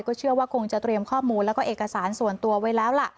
เชื่อว่าคงจะเตรียมข้อมูลแล้วก็เอกสารส่วนตัวไว้แล้วล่ะ